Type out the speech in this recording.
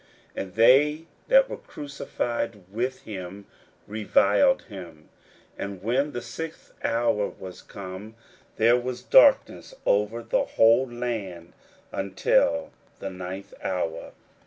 And they that were crucified with him reviled him. 41:015:033 And when the sixth hour was come, there was darkness over the whole land until the ninth hour.